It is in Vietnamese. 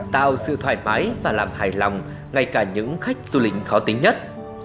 tạo sự thoải mái và làm hài lòng ngay cả những khách du lịch khó tính nhất